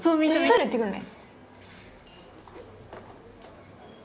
トイレ行ってくるね。